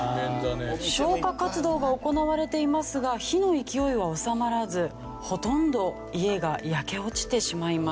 消火活動が行われていますが火の勢いは収まらずほとんど家が焼け落ちてしまいました。